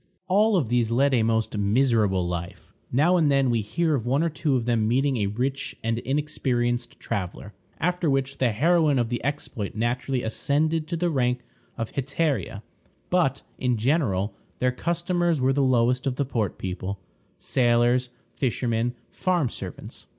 All of these led a most miserable life. Now and then we hear of one or two of them meeting a rich and inexperienced traveler, after which the heroine of the exploit naturally ascended to the rank of hetaira; but, in general, their customers were the lowest of the port people sailors, fishermen, farm servants.